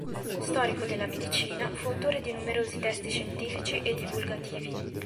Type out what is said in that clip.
Storico della medicina, fu autore di numerosi testi scientifici e divulgativi.